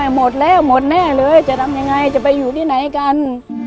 หมดแล้วหมดแน่เลยจะทำยังไงจะไปอยู่ที่ไหนกัน